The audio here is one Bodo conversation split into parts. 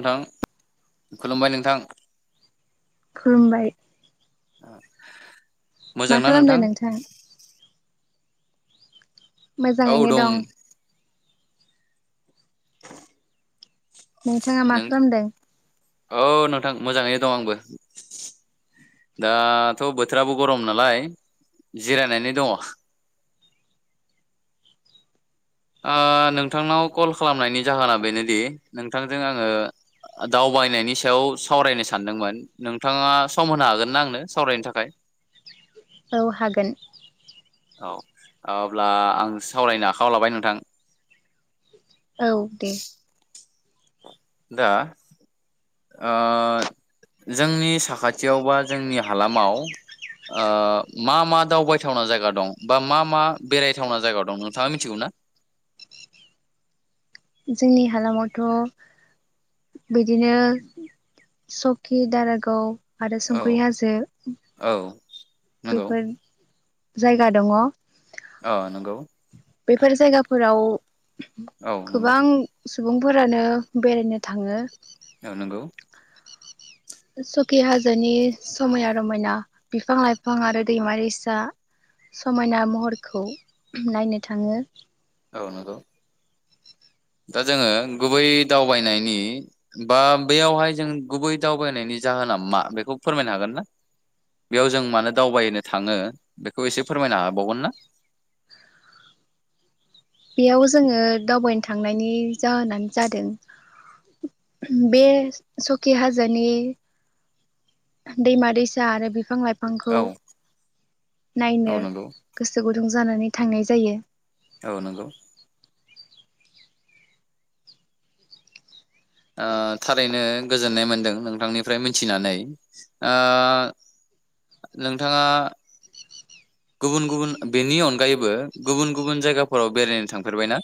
नोंथां खुलुमबाय नोंथां खुलुमबाय अ मा खालामदों नोंथां? मोजाङैनो दं। नोंथाङा मा नों खालामदों? औ नोंथां मोजाङैनो दं आंबो दाथ' बोथोराबो गरम नालाय जिरायनानै दङ। ओ नोंथांनाव कल खालामनायनि जाहोना बेनोदि नोंथांजों आङो दावबायनायनि सायाव सावरायनो सानदोंमोन नोंथाङा सम होनो हागोनना आंनो सावरायनो थाखाय। औ हागोन। औ अब्ला आं सावरायनो आखायाव लाबाय नोंथां। औ दे। दा ओ जोंनि साखाथियाव बा जोंनि हालामाव ओ मा मा दावबायथावना जायगा दं बा मा मा बेरायथावना जायगा दं नोंथाङा मिथिगौ ना? जोंनि हालामावथ' बिदिनो सकि दारागाव आरो औ संख्रै हाजो। औ नंगौ बेफोर जायगा दङ। औ नंगौ बेफोर जायगाफोराव औ नंगौ गोबां सुबुंफोरानो बेरायनो थाङो। औ नंगौ। सखि हाजोनि समायना रमायना बिफां लाइफां आरो दैमा दैसा समायना महरखौ नायनो थाङो। औ नंगौ दा जोङो गुबै दावबायनायनि बा बैयावहाय जों गुबै दावबायनायनि जाहोना मा बेखौ फोरमायनो हागोन ना बेयाव जों मानो दावबायनो थाङो बेखौ एसे फोरमायनो हाबावगोन ना? बेयाव जोङो दावबायनो थांनायनि जाहोनानो जादों बे सकि हाजोनि दैमा दैसा आरो बिफां लाइ फांखौ औ औ नायनो नंगौ गोसो गु गुदुं जानानै थांनाय जायो। औ नंगौ। ओ थारैनो गोजोननाय मोनदों नोंथांनिफ्राय मिथिनानै ओ ोंथाङा गुबुन गुबुन बेनि अनगायैबो गुबुन गुबुन जायगाफोराव बेरायनो थांफेरबायना?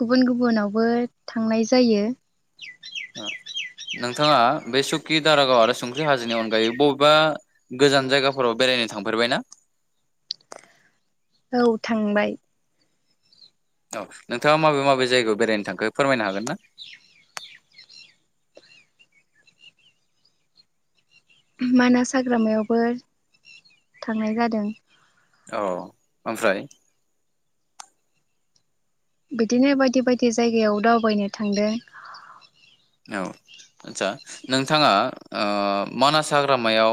गुबुन गुबुनावबो थांनाय जायो। ओ नोंथाङा बे सुकि दारागाव आरो संख्रि हाजोनि अनगायै बबेबा गोजान जायगाफोराव बेरायनो थांफेरबायना? औ थांबाय औ नोंथाङा माबे माबे जायगायाव बेरायनो थांखो? फोरमायनो हागोन ना? मानास हाग्रामायावबो थांनाय जादों। औ ओमफ्राय बिदिनो बायदि बायदि जायगायाव दावबायनो थांदों। औ आदसा नोंथाङा मानास हाग्रामायाव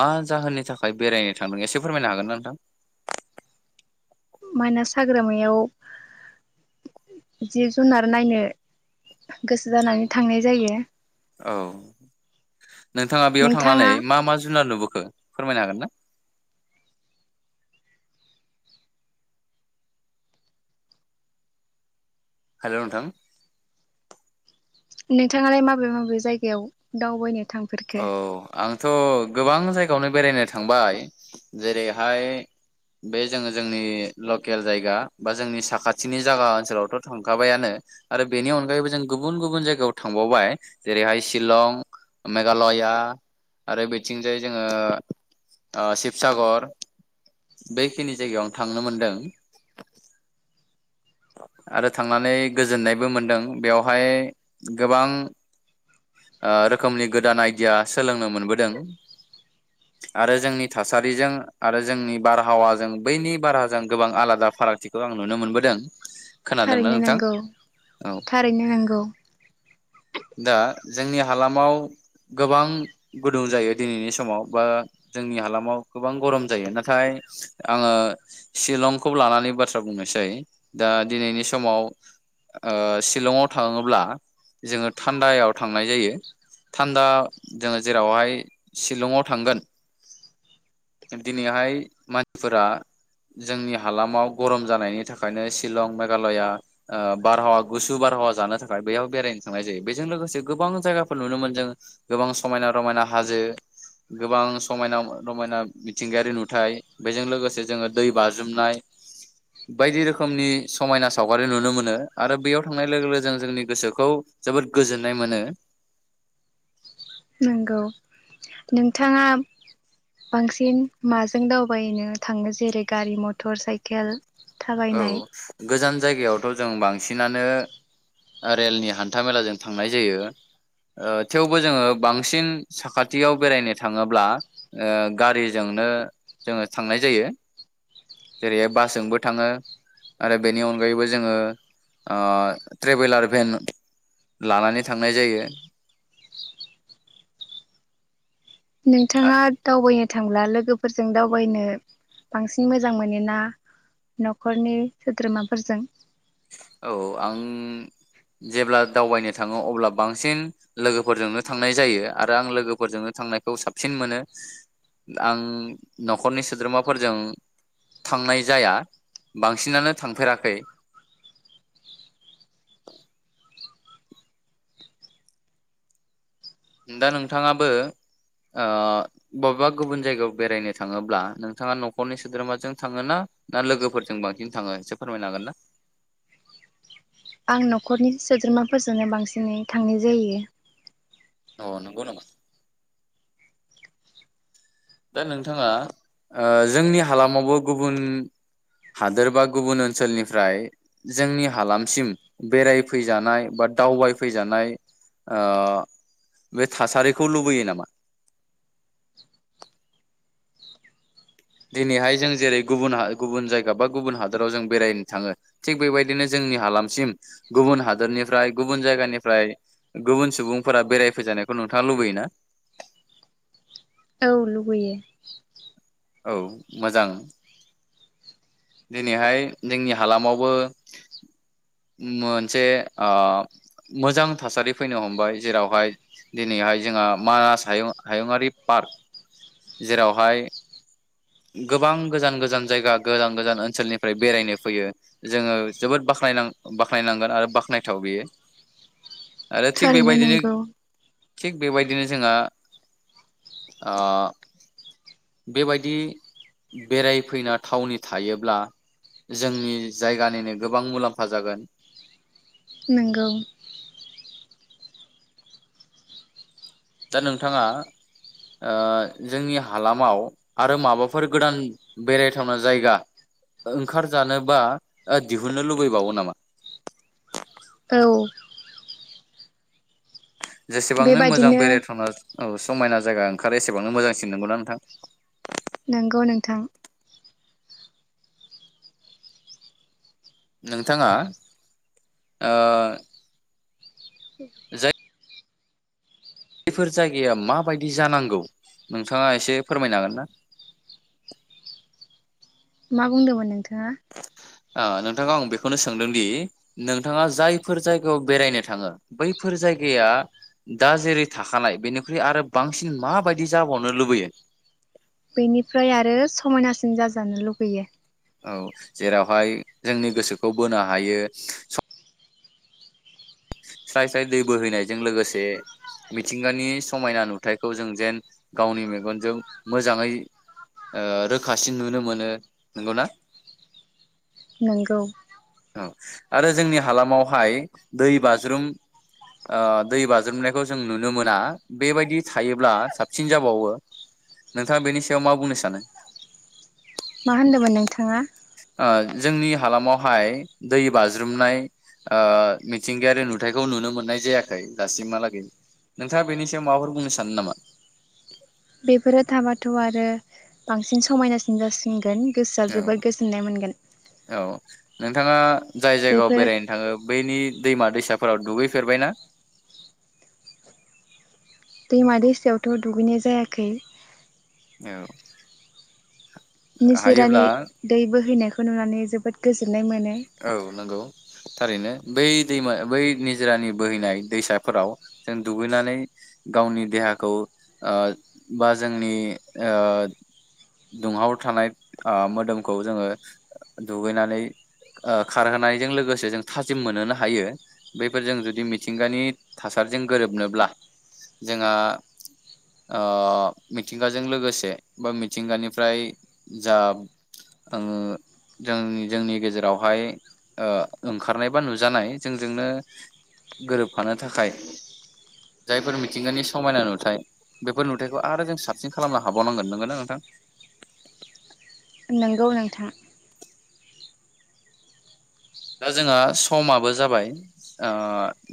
मा जाहोननि थाखाय बेरायनो थांदों एसे फोरमायनो हागोन ना नोंथां? माइानास हाग्रामायाव जिब जुनार नायनो गोसो जानानै थांनाय जायो। औ नोंथाङा बेयाव थांनानै नोंथाङा मा मा जुनार नुबोखो खो फोरमायनो हागोन ना? हेल' नोंथां नोंथाङालाय माबे माबे जायगायाव दावबायनो थांफेरखो औ आं थ' गोबां जायगायावनो बेरायनो थांबाय जेरैहाय बे जोङो जोंनि लकेल जायगा बा जोंनि साखाथिनि जायगा ओनसोलावथ' थांखाबायानो आरो बेनि अनगायैबो जों गुबुन गुबुन जायगायाव थांबावबाय जेरैहाय - शिलं, मेघालया आरो बिथिंजाय जोङो शिबसागर बेखिनि जायगायाव थांनो मोनदों आरो थांनानै गोजोननायबो मोनदों बेयावहाय गोबां ओ रोखोमनि गोदान आइदिया सोलोंनो मोनबोदों आरो जोंनि थासारिजों आरो जोंनि बारहावाजों बैनि बारहाजों गोबां आलादा फारागथिखौ आं नुनो मोनबोदों। खोनादोंना थारैनो नोंथां नंगौ औ थारैनो नंगौ। दा जोंनि हालामाव गोबां गुदुं जायो दिनैनि समाव बा जोंनि हालामाव गोबां गरम जायो नाथाय आङो शिलंखौ लानानै बाथ्रा बुंनोसै दा ओ दिनैनि समाव शिलंआव थाङोब्ला जोङो थान्दायाव थांनाय जायो थान्दा जोङो जेरावहाय शिलंआव थांगोन दिनैहाय मानसिफोरा जोंनि हालामाव गरम जानायनि थाखायनो शिलं मेघालया आ बारहावा गुसु बारहावा जानो थाखाय बयाव बेरायनो थांनाय जायो। बेजों लोगोसे गोबां जायगाफोर नुनो मोनो जों गोबां समायना रमायना हाजो गोबां समायना रमायना मिथिंगायारि नुथाय बेजों लोगोसे जोङो दै बाज्रुमनाय बायदि रोखोमनि समायना सावगारि नुनो मोनो आरो बेयाव थांनाय लोगो लोगो ज जोंनि गोसोखौ जोबोद गोजोननाय मोनो। नंगौ नोंथाङा बांसिन माजों दावबायनो थाङो जेरै गारि मटर साइकेल औ थाबायनाय गोजान जायगायाव जों बांसिनानो रेलनि हान्था मेलाजों थांनाय जायो थेवबो जोङो बांसिन साखाथियाव बेरायनो थाङोब्ला गारिजोंनो जोङो थांनाय जायो जेरैहाय बासजोंबो थाङो। आरो बेनि अनगायैबो जोङो ओ ट्रेभेलार भेन लाना थांनाय जायो। नोंथाङा दावबायनो थांब्ला लोगोफोरजों दावबायनो बांसिन मोजां मोनोना न'खरनि सोद्रोमाफोरजों औ आं जेब्ला दावबायनो थाङो अब्ला बांसिन लोगोफोरजोंनो थांनाय जायो। आरो आं लोगोफोरजोंनो थांनायखौ साबसिन मोनो आं न'खरनि सोद्रोमाफोरजों थांनाय जाया बांसिनानो थांफेराखै [inaudible] दा नोंथाङाबो ओ बबेबा गुबुन जायगायाव बेरायनो थाङोब्ला नोंथाङा न'खरनि सोद्रोमाजों थाङो ना ना लोगोफोरजों बांसिन थाङो एसे फोरमायनो हागोन ना? आं न'खरनि सोद्रोमाफोरजोंनो बांसिनै थांनाय जायो। अ नंगौ नामा? दा नोंथाङा ओ जोंनि हालामावबो गुबुन हादोर बा गुबुन ओनसोलनिफ्राय जोंनि हालामसिम बेरायफैजानाय बा दावबायफैजानाय ओ बे थासारिखौ लुबैयो नामा? दिनैहाय जों जेरै गुबुन गुबुन जायगा बा गुबुन हादोराव जों बेरायनो थाङो थिग बेबायदिनो जोंनि हालामसिम गुबुन हादोरनिफ्राय गुबुन जायगानिफ्राय गुबुन सुबुंफोरा बेरायफैजानायखौ नोंथाङा लुबैयोना? लुगैयो औ मोजां। दिनैहाय जोंनि हालामावबो मोनसे ओ मोजां थासारि जेरैहाय दिनैहाय जोंहा मानास हायुङारि पार्क जेरैहाय गोबां गोजान गोजान जायगा गोजान गोजान ओनसोलनिफ्राय बेरायनो फैयो जोङो जोबोद बाख्नाय बाख्नायनांगोन आरो बाख्नायथाव बेयो। आरो थिग थारैनो बेबायदिनो नंगौ थिग बेबायदिनो जोंहा ओ बेबायदि बेरायफैना थावनि थायोब्ला जोंनि जायगानिनो गोबां मुलाम्फा जागोन। नंगौ। दा नोंथाङा ओ जोंनि हालामाव आरो माबाफोर गोदान बेरायथावना जायगा ओंखारजानो बा दिहुननो लुबैबावो नामा? औ जेसेबांनो मोजां बेबायदिनो बेरायथ'ना औ समायना जायगा ओंखारो एसेबांनो मोजांसिन नंगौना नोंथां? नंगौ नोंथां। नोंथाङा ओ [inaudible] बैफोर जायगाया माबायदि जानांगौ नोंथाङा एसे फोरमायनो हागोन ना? मा बुंदोंमोन नों थाङा ओ नोंथाङा आं बेखौनो सोंदोंदि नोंथाङा जायफोर जायगायाव बेरायनो थाङो बैफोर जायगाया दा जेरै थाखानाय बेनिख्रुइ आरो बांसिन माबायदि जाबावनो लुबैयो? बेनिफ्राय आरो समायनासिन जाजानो लुगैयो। औ जेरावहाय जोंनि गोसोखौ बोनो हायो सम स्राय स्राय दै बोहैनायजों लोगोसे मिथिंगानि समायना नुथायखौ जों जेन गावनि मेगनजों मोजाङै ओ रोखासिन नुनो मोनो। नंगौना? नंगौ। औ आरो जोंनि हालामावहाय दै बा ज्रुम ओ दै बाज्रुमनायखौ जों नुनो मोना बेबायदि थायोब्ला साबसिन जाबावो। नोंथाङा बेनि सायाव मा बुंनो सानो। मा होनदोंमोन नोंथाङा? ओ जोंनि हालामावहाय दै बाज्रुमनाय ओ मिथिंगायारि नु थाइखौ नुनो मोननाय जायाखै दासिमहालागै नोंथाङा बेनि सायाव माबाफोर बुंनो सानो नामा। बेफोरो थाबाथ' आरो बांसिन समायनासिन जासिनगोन। गोसोआ औ जोबोद गोजोननाय मोनगोन -औ नोंथाङा जाय जायगायाव बेफोर बेरायनो थाङो बैनि दैमा दै साफोराव दुगैफेरबायना? दैमा दैसायावथ' दुगैनाय जायाखै। औ। निजोरानि हायोब्ला दै बोहैनायखौ नुनानै जोबोद गोजोन औ नंगौ थारैनो। बै दैमा बै निजोरानि बोहैनाय दैसाफोराव जों दुगैनानै गावनि देहाखौ ओ बा जोंनि ओ दुंहाव थानाय ओ मोदोमखौ जोङो दुगैनानै ओ खारहोनायजों लोगोसे जों थाजिम मोनहोनो हायो बैफोरजों जुदि मिथिंगानि थासारिजों गोरोबनोब्ला जोंहा ओ मिथिंगाजों लोगोसे बा मिथिंगानिफ्राय जा ओं जोंनि जोंनि गेजेर रावहाय ओ ओंखारनाय बा नुजानाय जोंजोंनो गोरोबफानो थाखाय जायफोर मिथिंगानि समायना नुथाय बेफोर नुथायखौ आरो जों साबसिन खालामनो हाबावनांगोन। नंगौना नोंथां? नंगौ नोंथां। दा जोंहा समाबो जाबाय ओ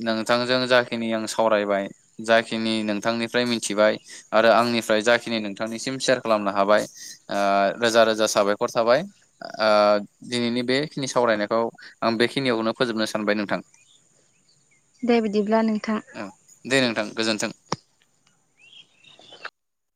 नोंथांजों जाखिनि आं सावरायबाय जाखिनि नोंथांनिफ्राय मिथिबाय आरो आंनिफ्राय जाखिनि नोंथांनिसिम सेयार खालामनो हाबाय ओ रोजा रोजा साबायखर थाबाय ओ दिनैनि बेखिनि सावरायनायखौ आं बेखिनियावनो फोजोबनो सानबाय नोंथां। दे बिदिब्ला नोंथां। औ दे नोंथां गोजोन्थों।